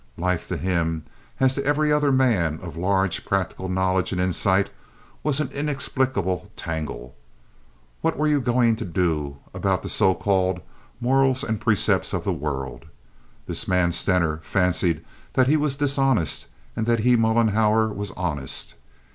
Life to him, as to every other man of large practical knowledge and insight, was an inexplicable tangle. What were you going to do about the so called morals and precepts of the world? This man Stener fancied that he was dishonest, and that he, Mollenhauer, was honest.